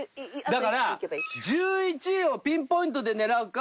だから１１をピンポイントで狙うか。